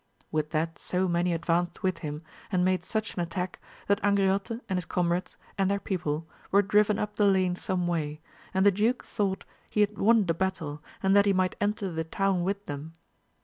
With that so many advanced with him, and made such an attack, that Angriote and his comrades, and their people, were driven up the lane some way, and the duke thought he had won the battle, and that he might enter the town with them.